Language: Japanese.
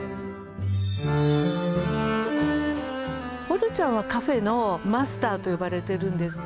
オルちゃんはカフェのマスターと呼ばれてるんです。